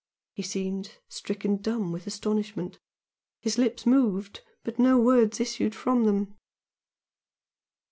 He seemed stricken dumb with astonishment, his lips moved, but no word issued from them.